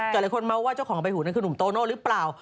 ก็เลยคนเมาว่าเจ้าของกำไฟหูนั่นคือนุ่มโตโน่หรือเปล่า